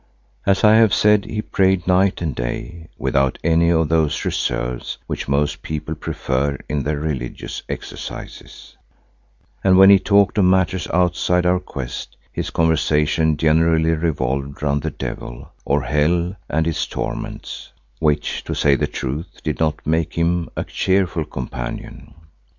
As I have said, he prayed night and day without any of those reserves which most people prefer in their religious exercises, and when he talked of matters outside our quest, his conversation generally revolved round the devil, or hell and its torments, which, to say the truth, did not make him a cheerful companion.